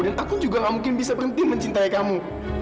dan aku juga gak mungkin bisa berhenti mencintai kamu